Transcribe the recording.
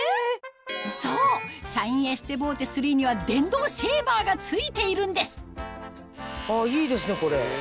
そうシャインエステボーテ３には電動シェーバーが付いているんですあいいですねこれ。